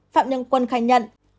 phạm nhân quân khai nhận